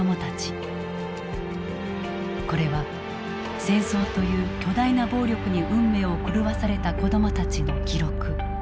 これは戦争という巨大な暴力に運命を狂わされた子どもたちの記録。